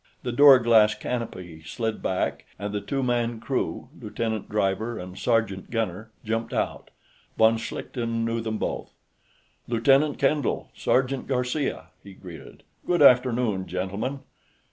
The duraglass canopy slid back, and the two man crew lieutenant driver and sergeant gunner jumped out. Von Schlichten knew them both. "Lieutenant Kendall; Sergeant Garcia," he greeted. "Good afternoon, gentlemen."